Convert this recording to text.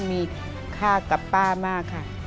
มีค่ากับป้ามากค่ะ